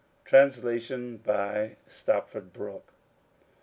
Translation of Stopford Brooke.